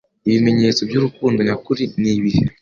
Ibimenyetso by'urukundo nyakuri ni ibihe